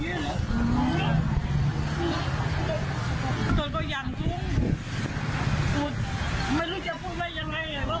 ขอโทษอย่างสูงขอโทษอีก